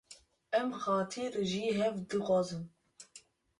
Em xatir ji hev dixwazin.